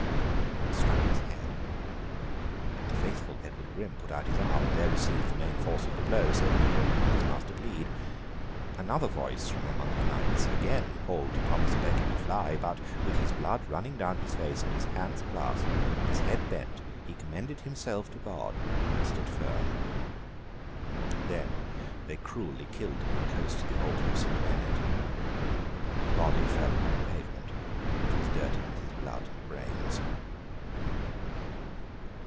and struck at his head. But the faithful Edward Gryme put out his arm, and there received the main force of the blow, so that it only made his master bleed. Another voice from among the knights again called to Thomas à Becket to fly; but, with his blood running down his face, and his hands clasped, and his head bent, he commanded himself to God, and stood firm. Then they cruelly killed him close to the altar of St. Bennet; and his body fell upon the pavement, which was dirtied with his blood and brains.